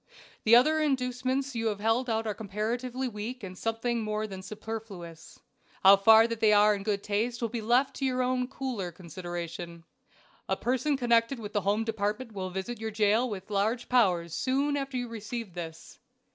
The other inducements you have held out are comparatively weak and something more than superfluous. How far they are in good taste will be left to your own cooler consideration. A person connected with the Home Department will visit your jail with large powers soon after you receive this.